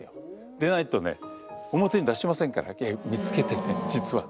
でないとね表に出しませんから見つけてね実は。